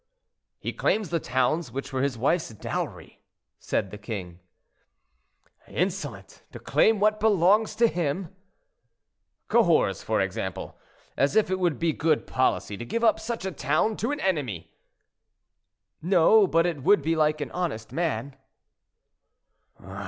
"He claims the towns which were his wife's dowry," said the king. "Insolent! to claim what belongs to him." "Cahors, for example; as if it would be good policy to give up such a town to an enemy." "No; but it would be like an honest man."